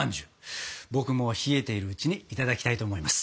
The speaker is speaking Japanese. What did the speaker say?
僕も冷えているうちにいただきたいと思います。